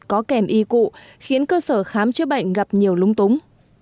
có kèm y cụ khiến cơ sở khám chữa bệnh gặp nhiều lúng túng